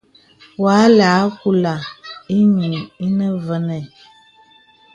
Wà lɛ àkùla ìyìŋ ìnə vənə.